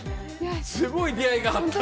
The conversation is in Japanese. すごい出会いがあった。